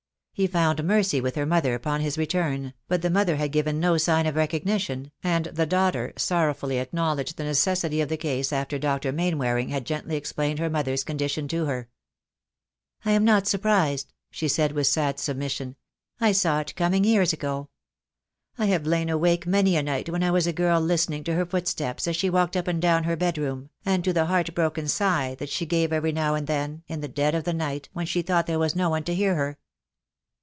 He found Mercy with her mother upon his return, but the mother had given no sign of recognition, and the daughter sorrowfully acknow ledged the necessity of the case after Dr. Mainwaring had gently explained her mother's condition to her. "I am not surprised," she said, with sad submission, THE DAY WILL COME. 265 "I saw it coming years ago. I have lain awake many a night when I was a girl listening to her footsteps as she walked up and down her bedroom, and to the heart broken sigh that she gave every now and then, in the dead of the night, when she thought there was no one to hear her."